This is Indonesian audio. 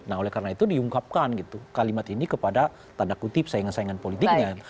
nah oleh karena itu diungkapkan gitu kalimat ini kepada tanda kutip saingan saingan politiknya